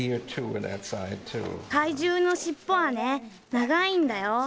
怪獣のしっぽはね長いんだよ。